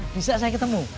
bisa saya ketemu